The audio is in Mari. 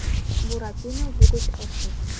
— Буратино лугыч ыштыш.